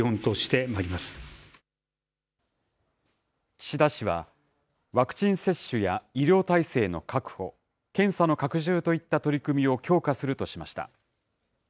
岸田氏は、ワクチン接種や医療体制の確保、検査の拡充といった取り組みを強化するとしました。